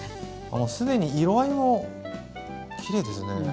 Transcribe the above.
あもう既に色合いもきれいですね！